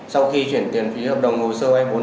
sau khi chuyển tiền phí hợp đồng hồ sơ vay vốn